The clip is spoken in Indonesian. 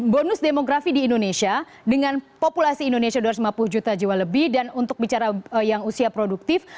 bonus demografi di indonesia dengan populasi indonesia dua ratus lima puluh juta jiwa lebih dan untuk bicara yang usia produktif